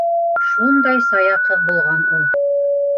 Шундай сая ҡыҙ булған ул...